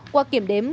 qua kiểm đếm